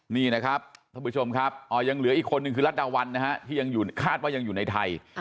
นี่นะครับถ้าผู้ชมครับยังเหลืออีกคนหนึ่งคือรัฐดาวันที่ยังอยู่คาดอย่างอยู่ในไทย